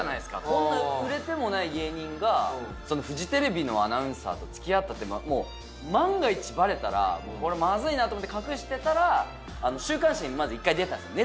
こんな売れてもない芸人がフジテレビのアナウンサーと付き合ったってもう万が一バレたらこれまずいなと思って隠してたら週刊誌にまず１回出たんですよ